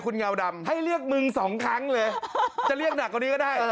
คุณเงาดำให้เรียกมึงสองครั้งเลยจะเรียกหนักกว่านี้ก็ได้